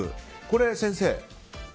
これ、先生。